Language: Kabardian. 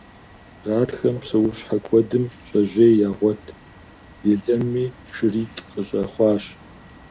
Гъатхэм псэущхьэ куэдым щӀэжьей ягъуэт, елэнми шыритӀ къыщӀэхъуащ.